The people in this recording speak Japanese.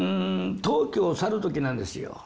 東京を去る時なんですよ。